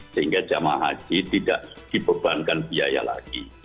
sehingga jemaah haji tidak dibebankan biaya lagi